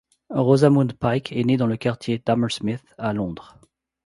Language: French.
Rosamund Pike est née dans le quartier d'Hammersmith, à Londres.